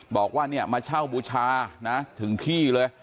บอกว่าเนี่ยมาเช่าบูชานะถึงที่เลย